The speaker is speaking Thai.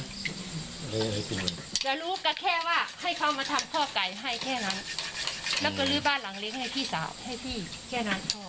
จะรู้ก็แค่ว่าให้เขามาทำพ่อไก่ให้แค่นั้นแล้วก็ลื้อบ้านหลังเลี้ยงให้พี่สาวให้พี่แค่นั้นพ่อ